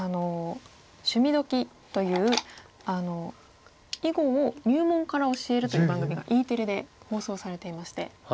「趣味どきっ！」という囲碁を入門から教えるという番組がＥテレで放送されていまして。